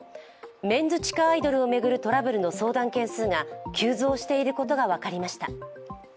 メンズ地下アイドルを巡るトラブルの相談件数が急増していることが分かりました。